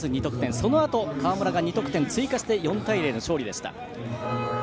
そのあと川村が２得点を追加して４対０の勝利でした。